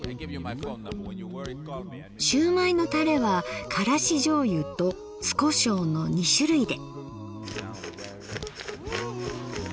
しゅうまいのタレはからしじょうゆと酢コショウの２種類で。